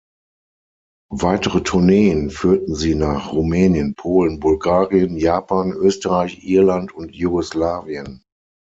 Weitere Tourneen führten sie nach Rumänien, Polen, Bulgarien, Japan, Österreich, Irland und Jugoslawien.